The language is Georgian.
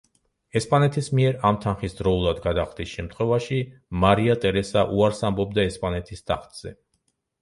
ესპანეთის მიერ ამ თანხის დროულად გადახდის შემთხვევაში მარია ტერესა უარს ამბობდა ესპანეთის ტახტზე.